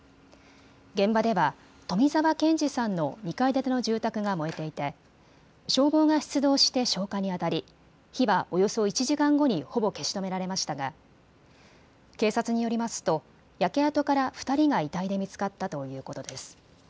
現場では冨澤賢二さんの２階建ての住宅が燃えていて消防が出動して消火にあたり火はおよそ１時間後にほぼ消し止められましたが警察によりますと焼け跡から２人が遺体で見つかったということです。